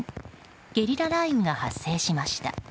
ゲリラ雷雨が発生しました。